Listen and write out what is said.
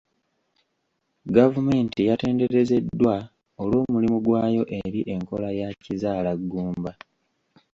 Gavumenti yatenderezeddwa olw'omulimu gwayo eri enkola ya kizaalaggumba.